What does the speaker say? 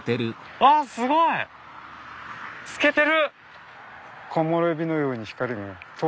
あすごい！透けてる！